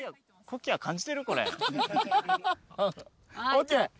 ＯＫ！